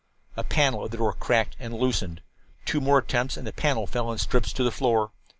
A panel of the door cracked and loosened. Two more attempts and the panel fell in strips to the floor.